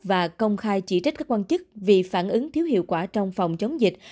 và công khai chỉ trách các quan chức vì phản ứng thiếu hiệu quả trong phòng chống dịch